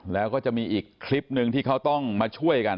แล้วก็จะมีอีกคลิปหนึ่งที่เขาต้องมาช่วยกัน